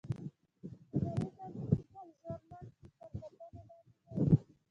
مقالې باید د بل ژورنال تر کتنې لاندې نه وي.